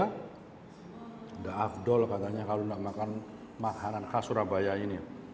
tidak akan terlalu berani untuk makan makanan kaya surabaya ini